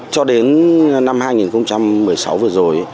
cho đến năm hai nghìn một mươi sáu vừa rồi